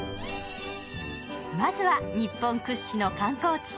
まずは日本屈指の観光地